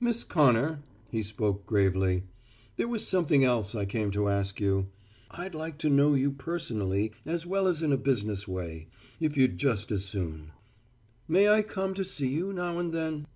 "Miss Connor," he spoke gravely, "there was something else I came to ask you. I'd like to know you personally as well as in a business way, if you'd just as soon. May I come to see you now and then?"